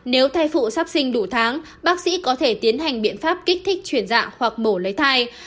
nếu thai phụ sắp sinh đủ tháng bác sĩ có thể tiến hành biện pháp kích thích chuyển dạng hoặc mổ lấy thai